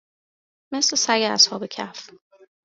مثل سگ اصحاب کَهف